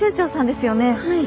はい。